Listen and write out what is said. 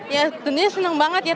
ya tentunya senang banget ya